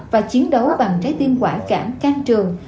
và chiến đấu bằng trái tim quả cảm căng trường